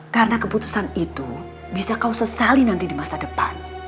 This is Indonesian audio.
karena keputusan itu bisa kau sesali nanti di masa depan